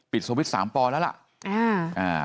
ปิดสวิสสามป่อแล้วล่ะอ่า